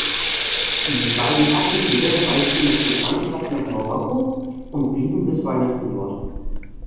Die beiden Attentäter reisten nach dem Anschlag nach Marokko und blieben bis Weihnachten dort.